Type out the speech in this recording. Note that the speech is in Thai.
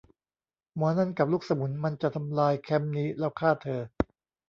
หมอนั่นกับลูกสมุนมันจะทำลายแคมป์นี้ แล้วฆ่าเธอ